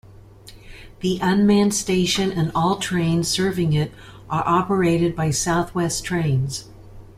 The unmanned station and all trains serving it are operated by South West Trains.